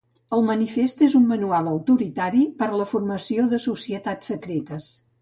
El manifest és un manual autoritari per a la formació de societats secretes.